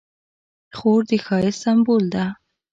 خور د ښایست سمبول ده.